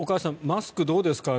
マスクどうですか？